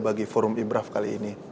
bagi forum ibraf kali ini